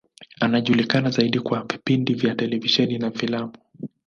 Anajulikana zaidi kwa vipindi vya televisheni na filamu.